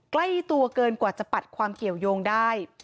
ใกล้ตัวเกินกว่าจะปัดความเกี่ยวยงได้